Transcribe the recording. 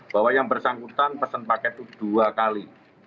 bahwa yang bersangkutan pesan paket itu dua kali